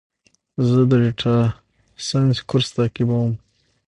زه د ډیټا ساینس کورس تعقیبوم.